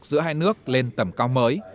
giữa hai nước lên tầm cao mới